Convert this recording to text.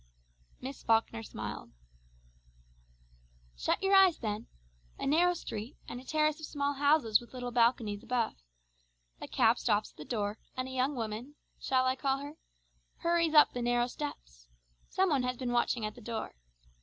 Miss Falkner smiled. "Shut your eyes then. A narrow street, and a terrace of small houses with little balconies above. A cab stops at the door, and a young woman shall I call her? hurries up the narrow steps. Some one has been watching at the door.